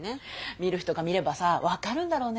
見る人が見ればさ分かるんだろうね。